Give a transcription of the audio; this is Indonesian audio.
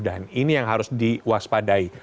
dan ini yang harus diwaspadai